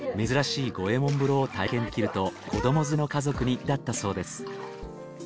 珍しい五右衛門風呂を体験できると子ども連れの家族に人気だったそうです。